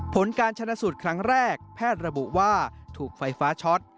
ผลการชนะสูตรครั้งแรกแพทย์ระบุว่าถูกไฟฟ้าช็อต